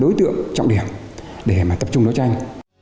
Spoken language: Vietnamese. đối tượng trọng điểm để mà tập trung đấu tranh